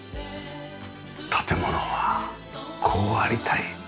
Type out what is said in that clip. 建物はこうありたい。